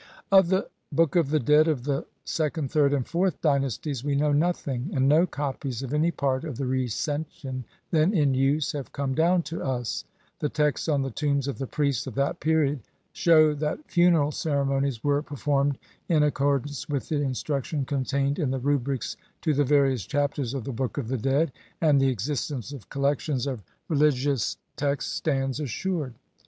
Of the Book of the Dead of the second, third, and fourth dynasties we know nothing, and no copies of any part of the Recension then in use have come down to us ; the texts on the tombs of the priests of that period shew that funeral ceremonies were per formed in accordance with the instructions contained in the rubrics to the various Chapters of the Book of the Dead, and the existence of collections of reli THE HISTORY OF THE BOOK OF THE DEAD. XLIX gious texts stands assured.